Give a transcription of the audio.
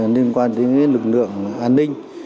liên quan đến lực lượng an ninh